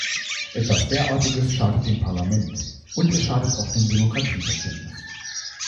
Etwas Derartiges schadet dem Parlament, und es schadet auch dem Demokratieverständnis.